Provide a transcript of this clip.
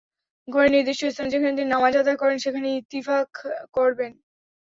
ঘরের নির্দিষ্ট স্থানে, যেখানে তিনি নামাজ আদায় করেন, সেখানেই ইতিকাফ করবেন।